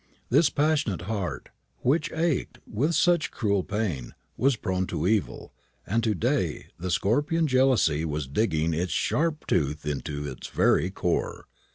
This passionate heart, which ached with such cruel pain, was prone to evil, and to day the scorpion Jealousy was digging his sharp tooth into its very core.